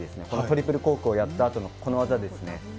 このトリプルコークをやったあとのこの技ですね。